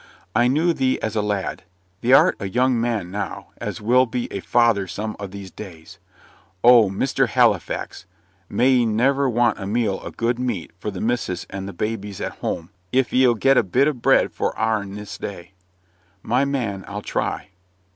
"I knew thee as a lad; thee'rt a young man now, as will be a father some o' these days. Oh! Mr. Halifax, may 'ee ne'er want a meal o' good meat for the missus and the babbies at home, if ee'll get a bit o' bread for our'n this day." "My man, I'll try."